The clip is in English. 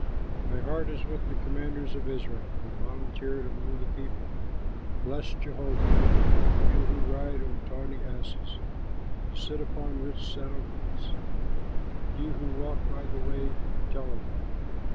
"My heart is with the commanders of Israel, Who volunteered among the people. Bless Jehovah! You who ride on tawny asses, Who sit upon rich saddle cloths; You who walk by the way, tell of it.